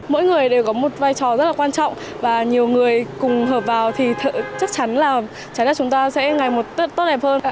mỗi người đều có một vai trò rất là quan trọng và nhiều người cùng hợp vào thì chắc chắn là trái đất chúng ta sẽ ngày một tốt đẹp hơn